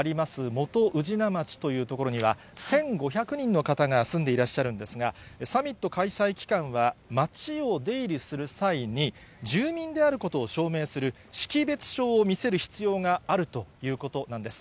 元宇品町という所には、１５００人の方が住んでいらっしゃるんですが、サミット開催期間は町を出入りする際に、住民であることを証明する識別証を見せる必要があるということなんです。